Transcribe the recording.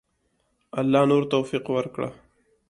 الله نور توفیق ورکړه.